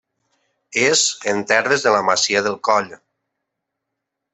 És en terres de la masia del Coll.